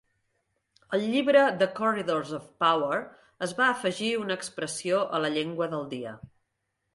Al llibre "The Corridors of Power" es va afegir una expressió a la llengua del dia.